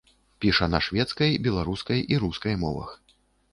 Піша на шведскай, беларускай і рускай мовах.